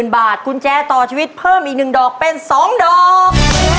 ๐บาทกุญแจต่อชีวิตเพิ่มอีก๑ดอกเป็น๒ดอก